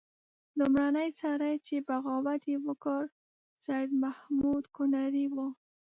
لومړنی سړی چې بغاوت یې وکړ سید محمود کنړی وو.